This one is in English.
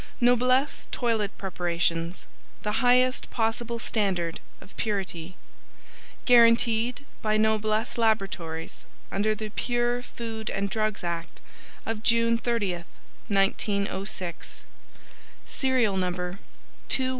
] Noblesse Toilet Preparations The Highest Possible Standard of Purity Guaranteed by Noblesse Laboratories under the Pure Food and Drugs Act of June 30, 1906 Serial No.